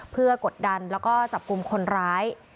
เพื่อกดดันแล้วก็จับกลุ่มคนร้าย